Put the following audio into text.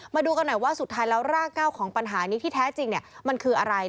มาดูกันหน่อยว่าสุดท้ายแล้วรากเก้าของปัญหานี้ที่แท้จริงมันคืออะไร